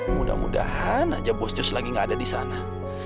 mudah mudahan aja bos jos lagi nggak ada di sana